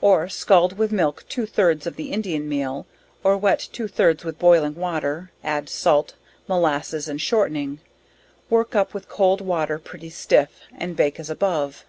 Or scald with milk two thirds of the Indian meal, or wet two thirds with boiling water, add salt, molasses and shortening, work up with cold water pretty stiff, and bake as above.